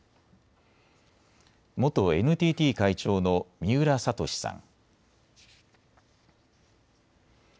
元ＮＴＴ会長の三浦惺さん。